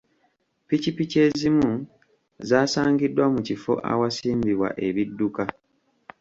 Ppikipiki ezimu zaasangiddwa mu kifo ewasimbibwa ebidduka.